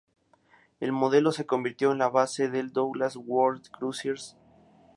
El modelo se convirtió en la base del Douglas World Cruiser.